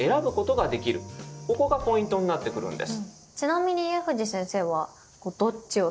ここがポイントになってくるんです。